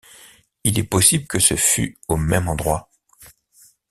Il est possible que ce fut au même endroit.